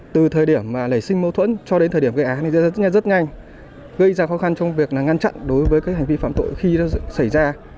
từ thời điểm lẩy sinh mâu thuẫn cho đến thời điểm gây ác này ra rất nhanh gây ra khó khăn trong việc ngăn chặn đối với hành vi phạm tội khi nó xảy ra